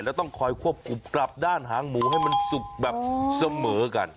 แล้วต้องคอยควบคุมปรับด้านหางหมูให้มันสุกแบบเสมอกัน